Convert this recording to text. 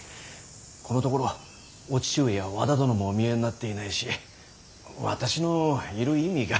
このところお父上や和田殿もお見えになっていないし私のいる意味が。